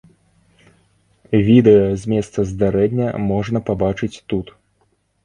Відэа з месца здарэння можна пабачыць тут.